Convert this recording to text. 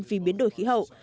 vì biến đổi khí hậu